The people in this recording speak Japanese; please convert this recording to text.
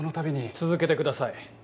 続けてください。